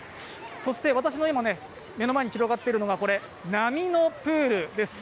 私の目の前に広がっているのが波のプールです。